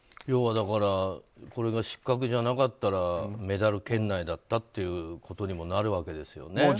要はこれが失格じゃなかったらメダル圏内だったってことにもなるわけですよね。